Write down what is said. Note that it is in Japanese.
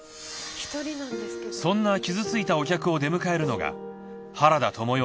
そんな傷ついたお客を出迎えるのが原田知世